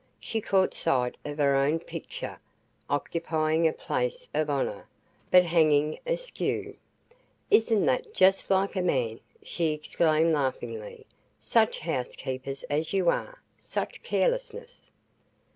She caught sight of her own picture, occupying a place of honor but hanging askew. "Isn't that just like a man!" she exclaimed laughingly. "Such housekeepers as you are such carelessness!"